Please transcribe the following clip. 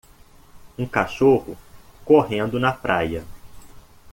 Um cachorro correndo na praia.